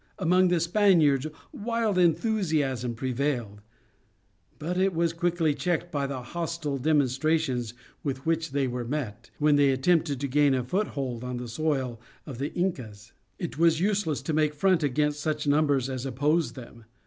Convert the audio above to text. Among the Spaniards wild enthusiasm prevailed. But it was quickly checked by the hostile demonstrations with which they were met, when they attempted to gain a foothold on the soil of the Incas. It was useless to make front against such numbers as opposed them.